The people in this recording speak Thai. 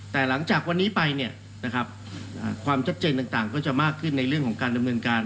แต่หลังจากวันนี้ไปความชัดเจนต่างก็จะมากขึ้นในเรื่องของการดำเนินการ